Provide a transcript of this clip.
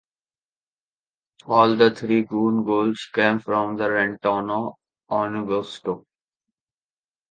All three Guoan goals came from Renato Augusto.